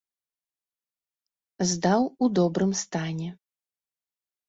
Здаў у добрым стане.